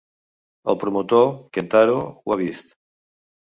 El promotor, Kentaro, ho ha vist.